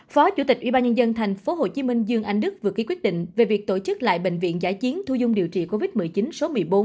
phó chủ tịch ubnd tp hcm dương anh đức vừa ký quyết định về việc tổ chức lại bệnh viện giải chiến thu dung điều trị covid một mươi chín số một mươi bốn